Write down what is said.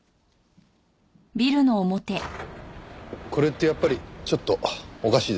これってやっぱりちょっとおかしいですね。